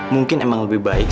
mungkin emang lebih baik